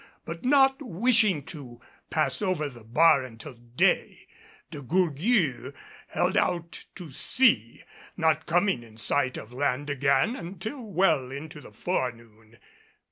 But not wishing to pass over the bar until day, De Gourgues held out to sea, not coming in sight of land again until well into the forenoon.